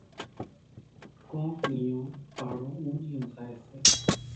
ڪونڪ نِيون پاڙون اونڏِيون زائيَ سي۔